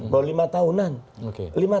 bahwa lima tahunnya